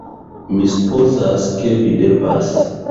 Mi supozas, ke vi devas...